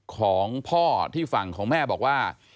ของพ่อที่ฝั่งของแม่บอกว่า